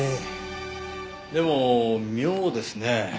でも妙ですね。